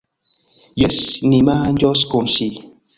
Jes, ni manĝos kun ŜI.